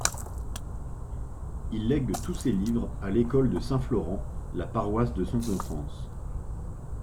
Il lègue tous ses livres à l’école de Saint-Florent, la paroisse de son enfance.